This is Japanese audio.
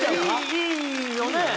いいよね？